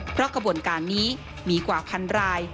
เพราะกระบวนการนี้มีกว่าพันราย